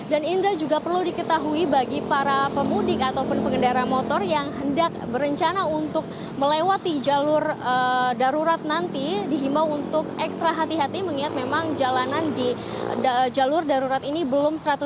dan indra juga perlu diketahui bagi para pemudik atau pengendara motor yang hendak berencana untuk melewati jalur darurat nanti dihimbau untuk ekstra hati hati mengingat memang jalanan di jalur darurat ini belum seratus